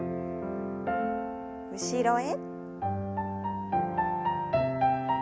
後ろへ。